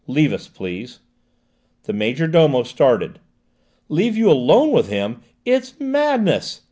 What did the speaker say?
"Leave us, please." The major domo started. "Leave you alone with him? It's madness!"